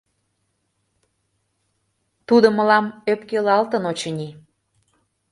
Тудо мылам ӧпкелалтын, очыни.